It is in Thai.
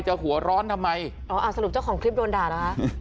หัวร้อนทำไมอ๋ออ่าสรุปเจ้าของคลิปโดนด่าเหรอคะ